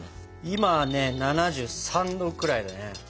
今ね７３℃くらいだね。